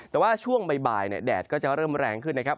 แต่ว่าช่วงบ่ายแดดก็จะเริ่มแรงขึ้นนะครับ